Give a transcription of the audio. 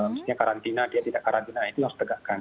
maksudnya karantina dia tidak karantina itu harus ditegakkan